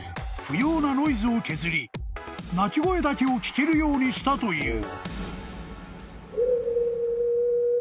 不要なノイズを削り鳴き声だけを聞けるようにしたという］